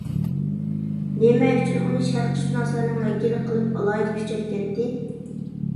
نېمە ئۈچۈن ئۇنى شەرقشۇناسلارنىڭ ۋەكىلى قىلىپ ئالاھىدە كۈچەپ كەتتى.